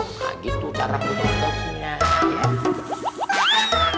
nah gitu cara kutip kutipnya